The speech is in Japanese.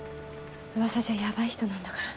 うわさじゃヤバい人なんだから。